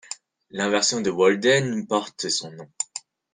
L'inversion de Walden porte son nom.